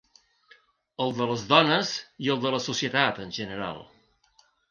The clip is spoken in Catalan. El de les dones i el de la societat en general.